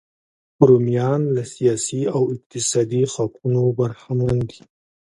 رومیان له سیاسي او اقتصادي حقونو برخمن وو.